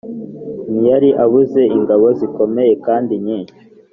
ntiyari abuze ingabo zikomeye kandi nyinshi